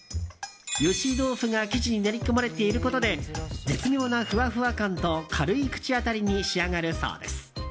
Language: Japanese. ゆし豆腐が生地に練り込まれていることで絶妙なふわふわ感と軽い口当たりに仕上がるそうです。